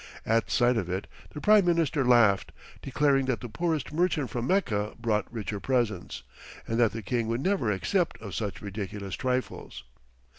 At sight of it, the prime minister laughed, declaring that the poorest merchant from Mecca brought richer presents, and that the king would never accept of such ridiculous trifles.